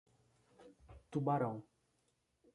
Tubarão